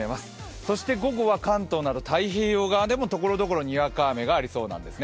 そして午後は関東など太平洋側でも所々にわか雨がありそうなんですね。